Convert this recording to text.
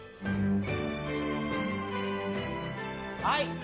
はい！